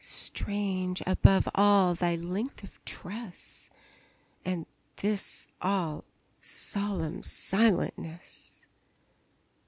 Strange, above all, thy length of tress, And this all solemn silentness!